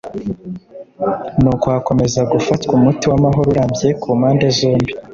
n’uko hakomeza gufatwa umuti w’amahoro arambye ku mpande zombi